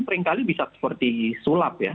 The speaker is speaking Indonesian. seringkali bisa seperti sulap ya